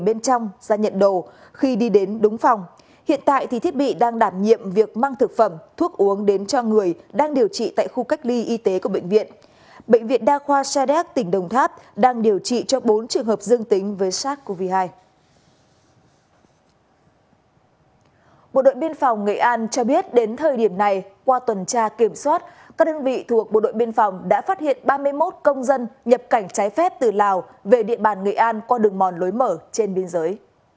bộ đội biên phòng nghệ an cho biết đến thời điểm này qua tuần tra kiểm soát các đơn vị thuộc bộ đội biên phòng đã phát hiện ba mươi một công dân nhập cảnh trái phép từ lào về địa bàn nghệ an qua đường mòn lối mở trên biên giới